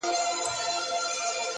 هسي نه چي دا یو ته په زړه خوږمن یې!